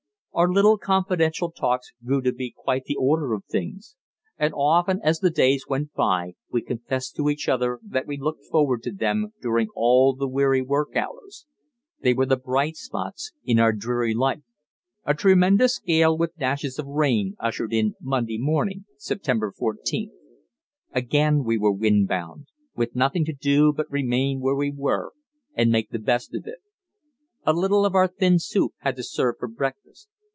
Our little confidential talks grew to be quite the order of things, and often as the days went by we confessed to each other that we looked forward to them during all the weary work hours; they were the bright spots in our dreary life. A tremendous gale with dashes of rain ushered in Monday morning, September 14th. Again we were windbound, with nothing to do but remain where we were and make the best of it. A little of our thin soup had to serve for breakfast.